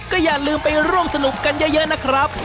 ก็อย่าลืมไปร่วมสนุกกันเยอะนะครับ